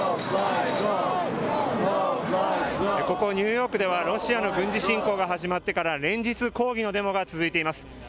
ここニューヨークではロシアの軍事侵攻が始まってから連日、抗議のデモが続いています。